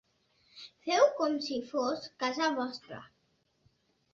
Feu com si fos casa vostra.